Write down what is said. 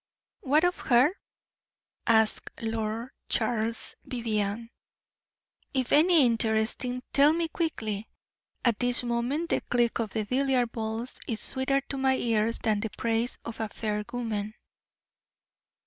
"What of her?" asked Lord Charles Vivianne. "If anything interesting, tell me quickly. At this moment the click of the billiard balls is sweeter to my ears than the praise of fair woman."